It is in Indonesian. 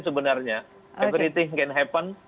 sebenarnya everything can happen